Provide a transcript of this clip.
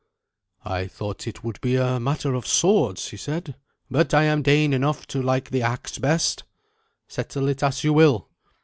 "I thought it would be a matter of swords," he said, "but I am Dane enough to like the axe best. Settle it as you will.